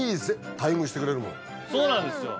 そうなんですよ。